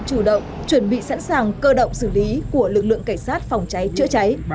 chủ động chuẩn bị sẵn sàng cơ động xử lý của lực lượng cảnh sát phòng cháy chữa cháy